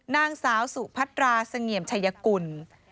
นางสาวสุพัตราเสงี่ยมชายกุล